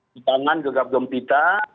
di tangan gegap gempita